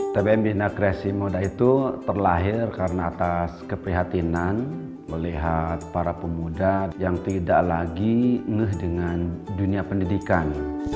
tbm bina kreasi muda itu terlahir karena atas keprihatinan melihat para pemuda yang tidak lagi ngeh dengan dunia pendidikan